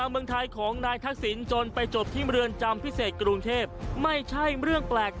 เขาก็ให้เครดิตอีกแนบ